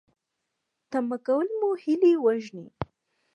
تمه کول مو هیلې وژني